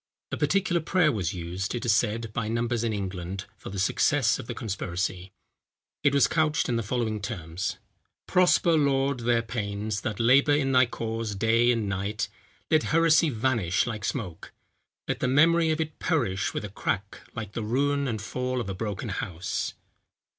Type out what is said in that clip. A particular prayer was used, it is said, by numbers in England, for the success of the conspiracy; it was couched in the following terms: "Prosper, Lord, their pains, that labour in thy cause day and night; let heresy vanish like smoke; let the memory of it perish with a crack, like the ruin and fall of a broken house."